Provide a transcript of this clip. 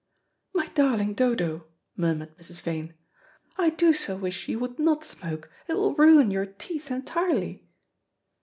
"My darling Dodo," murmured Mrs. Vane, "I do so wish you would, not smoke, it will ruin your teeth entirely."